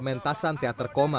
ketika di kota kota